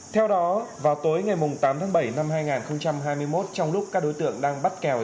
theo đó vào tối ngày tám tháng bảy năm hai nghìn hai mươi một trong lúc các đối tượng đang bắt kèo